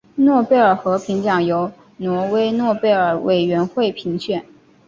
诺贝尔和平奖由挪威诺贝尔委员会评选。